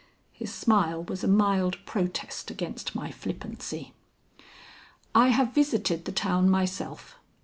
His smile was a mild protest against my flippancy. "I have visited the town myself.